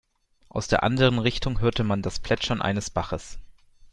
Aus der anderen Richtung hörte man das Plätschern eines Baches.